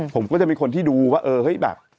ผมก็จะมีคนที่ดูว่าเออเฮ้ยแบบ